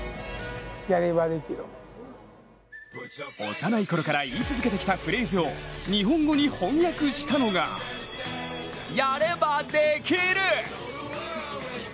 幼いころから言い続けてきたフレーズを日本語に翻訳したのがやればできる。